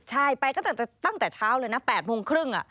ใช่ไปก็ตั้งแต่เช้าเลยนะ๘โมงครึ่ง